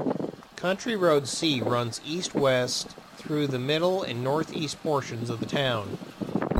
County Road C runs east-west through the middle and northeast portions of the town.